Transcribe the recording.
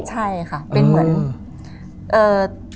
ใช่ค่ะเป็นเหมือนเอ่อ